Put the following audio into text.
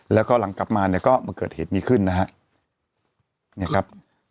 แล้วก็หลังกลับมาเนี่ยก็มาเกิดเหตุนี้ขึ้นนะฮะเนี่ยครับ